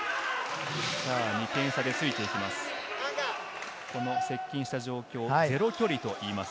２点差でついていきます。